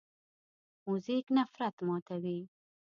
موزیک نفرت ماتوي.